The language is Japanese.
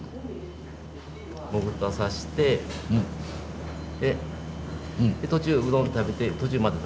潜らさしてで途中うどん食べて途中また食べます。